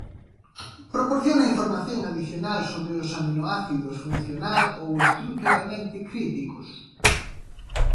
Proporciona información adicional sobre os aminoácidos funcional ou estruturalmente críticos.